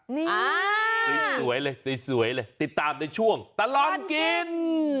นี่สวยเลยติดตามในช่วงตลอดกิน